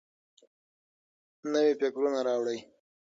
نوي فکرونه راوړئ.